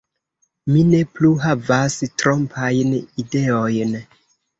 Mi ne plu havas trompajn ideojn.